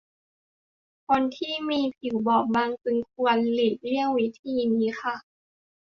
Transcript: คนที่มีผิวบอบบางจึงควรหลีกเลี่ยงวิธีนี้ค่ะ